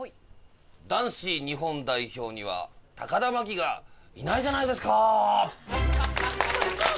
男子日本代表には田真希がいないじゃないですか！